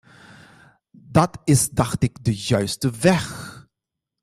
Dat is dacht ik de juiste weg.